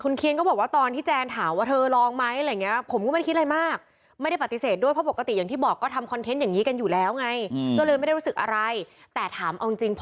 แล้วถ้ามีประกวดแบบนี้อีกลงอีกไหม